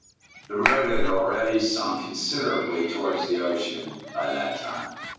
The road had already sunk considerably towards the ocean by that time.